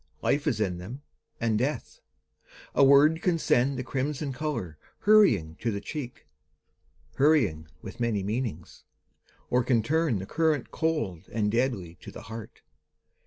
Life is in them, and death. A word can send The crimson colour hurrying to the cheek. Hurrying with many meanings; or can turn The current cold and deadly to the heart.